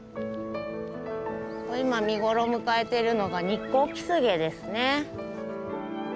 今見頃を迎えているのがニッコウキスゲですね。